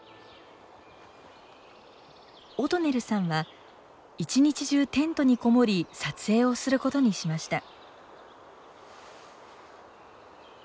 オドネルさんは一日中テントにこもり撮影をすることにしました。